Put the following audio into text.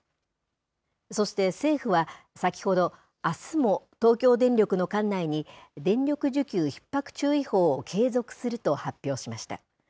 そして政府は、先ほど、あすも、東京電力の管内に、電力需給ひっ迫注意報を継続すると発表しました。